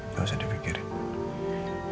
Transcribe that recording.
gak usah dipikirin